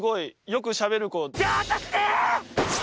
よくしゃべるこ。